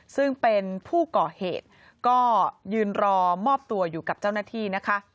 ซึ่งเป็นผู้ก่อเหตุก็ยืนรอมอบตัวอยู่กับเจ้าหน้าที่นะคะ